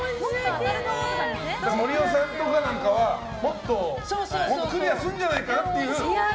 森尾さんにはもっとクリアするんじゃないかなっていう。